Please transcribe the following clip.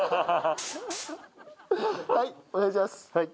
はい。